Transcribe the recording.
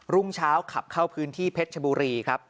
รุ่งเช้าขับเข้าพื้นที่เพชรชบุรีครับ